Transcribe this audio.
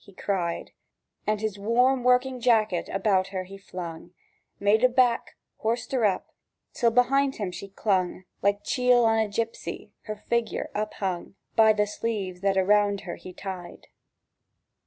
he cried; And his warm working jacket about her he flung, Made a back, horsed her up, till behind him she clung Like a chiel on a gipsy, her figure uphung By the sleeves that around her he tied.